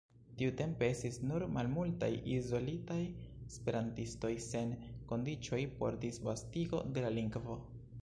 Tiutempe estis nur malmultaj izolitaj esperantistoj, sen kondiĉoj por disvastigo de la lingvo.